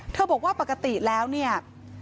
บอกว่าปกติแล้วเนี่ย